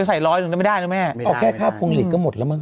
ไปใส่ร้อยหนึ่งไม่ได้เลยแม่แค่ข้าวพวงหลีกก็หมดแล้วมึง